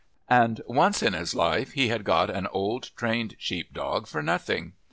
And once in his life he got an old trained sheep dog for nothing.